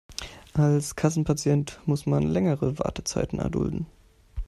Als Kassenpatient muss man längere Wartezeiten erdulden.